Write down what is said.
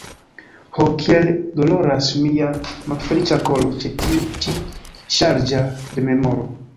Ho, kiel doloras mia malfeliĉa koro ĉe tiu ĉi ŝarĝa rememoro!